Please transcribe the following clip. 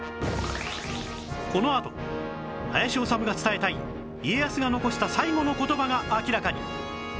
このあと林修が伝えたい家康が遺した最後の言葉が明らかに